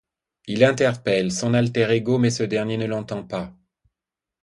Il interpelle son alter ego, mais ce dernier ne l’entend pas.